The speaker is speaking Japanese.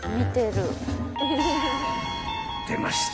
［出ました